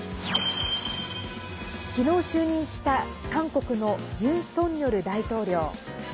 きのう就任した韓国のユン・ソンニョル大統領。